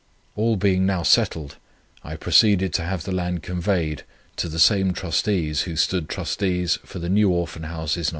All being now settled, I proceeded to have the land conveyed to the same trustees who stood trustees for the New Orphan Houses No.